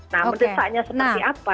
nah mendesaknya seperti apa